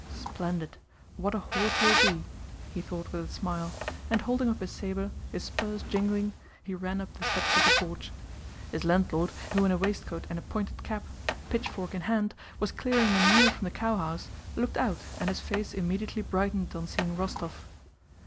"Splendid! What a horse he will be!" he thought with a smile, and holding up his saber, his spurs jingling, he ran up the steps of the porch. His landlord, who in a waistcoat and a pointed cap, pitchfork in hand, was clearing manure from the cowhouse, looked out, and his face immediately brightened on seeing Rostóv.